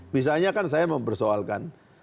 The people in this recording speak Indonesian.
misalnya kan saya mempersoalkan